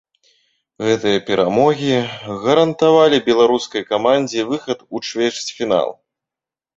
Гэтыя перамогі гарантавалі беларускай камандзе выхад у чвэрцьфінал.